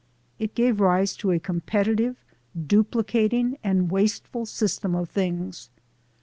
It gave rise to a competitive, dupli cating and wasteful system of things.